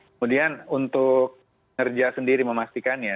kemudian untuk ngerja sendiri memastikannya